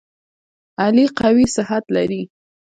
علي قوي صحت لري.